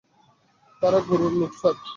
তারা গুরুর লোক, স্যার।